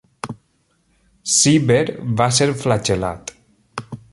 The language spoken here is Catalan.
Cibber va ser flagel·lat.